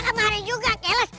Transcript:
gak akan marah juga kelas